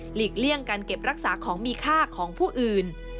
เลี่ยงการเก็บรักษาของมีค่าของผู้อื่น